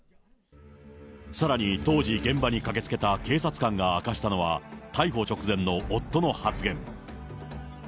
さらに当時、現場に駆けつけた警察官が明かしたのは、逮捕直前の夫の発言。